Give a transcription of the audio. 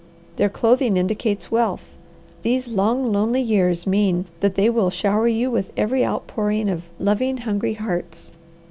Their clothing indicates wealth. These long, lonely years mean that they will shower you with every outpouring of loving, hungry hearts.